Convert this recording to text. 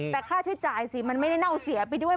แต่ค่าใช้จ่ายสิมันไม่ได้เน่าเสียไปด้วย